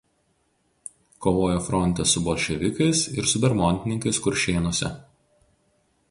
Kovojo fronte su bolševikais ir su bermontininkais Kuršėnuose.